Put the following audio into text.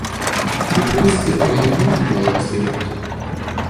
У прынцыпе, вайны можна было пазбегнуць?